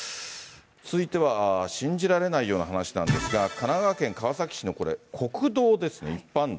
続いては、信じられないような話なんですが、神奈川県川崎市のこれ国道ですね、一般道。